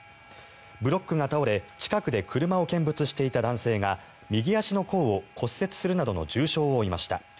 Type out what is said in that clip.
ブロックが倒れ近くで車を見物していた男性が右足の甲を骨折するなどの重傷を負いました。